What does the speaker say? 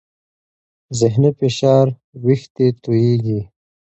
ذهني فشار وېښتې تویېږي.